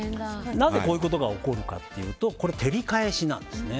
なぜこういうことが起こるかというと照り返しなんですね。